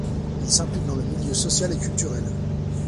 Il s'implique dans le milieu social et culturel.